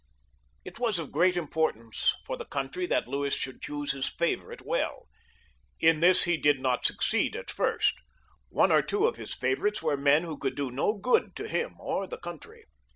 320 LOUIS XIIL [CH. It was of great importance for the country that Louis should choose his favourite well ; in this he did not suc ceed at first; one or two of his favourites were men who could do no good to him or to the country.